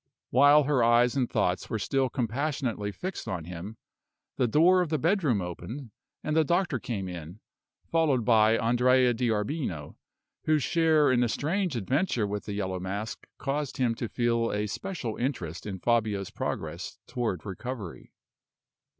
While her eyes and thoughts were still compassionately fixed on him, the door of the bedroom opened, and the doctor came in, followed by Andrea D'Arbino, whose share in the strange adventure with the Yellow Mask caused him to feel a special interest in Fabio's progress toward recovery.